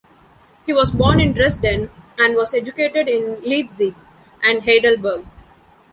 He was born in Dresden, and was educated in Leipzig and Heidelberg.